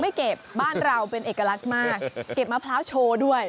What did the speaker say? เก็บบ้านเราเป็นเอกลักษณ์มากเก็บมะพร้าวโชว์ด้วย